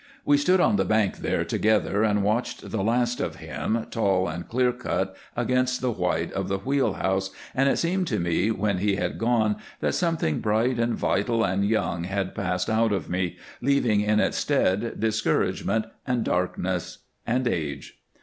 We stood on the bank there together and watched the last of him, tall and clear cut against the white of the wheel house, and it seemed to me when he had gone that something bright and vital and young had passed out of me, leaving in its stead discouragement and darkness and age.